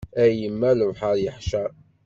A yemma lebḥer yeḥcer.